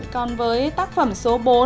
còn với tác phẩm số bốn